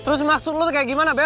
terus maksud lo kayak gimana bel